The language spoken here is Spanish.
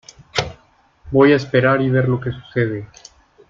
Voy a esperar y ver lo que sucede.